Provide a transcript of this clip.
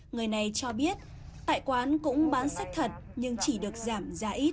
người này cho biết tại quán cũng bán sách thật nhưng chỉ được giảm giá ít